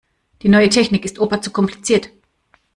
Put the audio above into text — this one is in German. Die neue Technik ist Opa zu kompliziert.